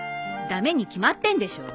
駄目に決まってんでしょ。